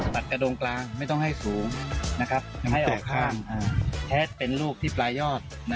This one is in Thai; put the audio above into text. ตรัสกระดวงกลางไม่ต้องให้สูงนะครับให้หมายความแคลร์ตเป็นลูกท้ายปลายยอดนะ